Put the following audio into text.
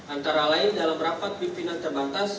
antara lain dalam rapat pimpinan terbatas